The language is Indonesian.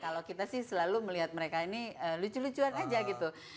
kalau kita sih selalu melihat mereka ini lucu lucuan aja gitu